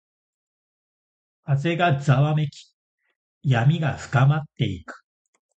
風がざわめき、闇が深まっていく。